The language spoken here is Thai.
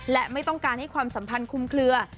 และไม่ต้องการให้ความสัมพันธ์คุมเคลือ